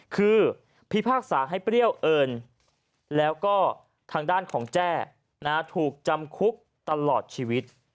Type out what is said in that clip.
คือพิพากษาให้เปรี้ยวเกิ่นเอิญและด้านของแจ้ถูกจำคลุกตลอดชวี